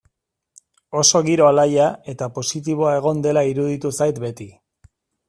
Oso giro alaia eta positiboa egon dela iruditu zait beti.